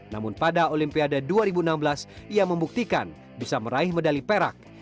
namun pada olimpiade dua ribu enam belas ia membuktikan bisa meraih medali perak